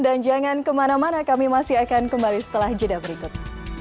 dan jangan kemana mana kami masih akan kembali setelah jeda berikut